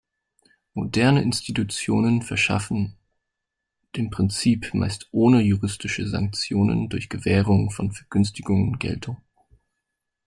Moderne Institutionen verschaffen dem Prinzip meist ohne juristische Sanktionen durch Gewährung von Vergünstigungen Geltung.